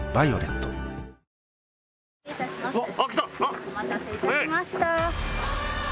お待たせ致しました。